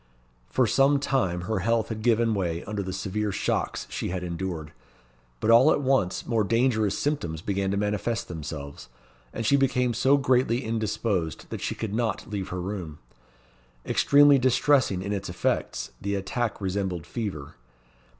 For some time her health had given way under the severe shocks she had endured; but all at once more dangerous symptoms began to manifest themselves, and she became so greatly indisposed that she could not leave her room. Extremely distressing in its effects, the attack resembled fever.